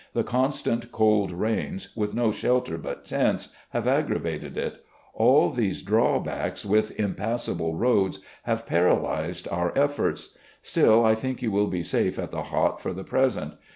The constant cold rains, with no shelter but tents, have aggravated it. All these drawbacks, with impassable roads, have paralysed our efforts. StiU I think you will be safe at the Hot, for the present.